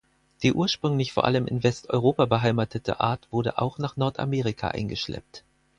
Die ursprünglich vor allem in Westeuropa beheimatete Art wurde auch nach Nordamerika eingeschleppt.